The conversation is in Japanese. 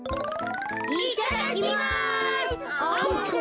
いただきます。